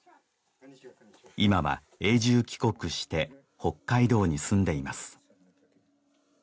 今は永住帰国して北海道に住んでいます